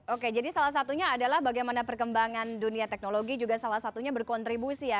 oke jadi salah satunya adalah bagaimana perkembangan dunia teknologi juga salah satunya berkontribusi ya